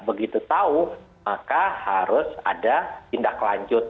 begitu tahu maka harus ada tindak lanjut